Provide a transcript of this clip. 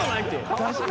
確かにな。